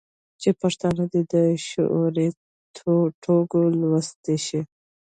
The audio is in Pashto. چې پښتانه دې په شعوري ټوګه لوستي شي.